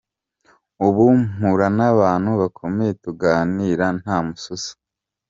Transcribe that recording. Ubu mpura n’abantu bakomeye tukaganira nta mususu.